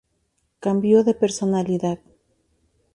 Cambio de personalidad.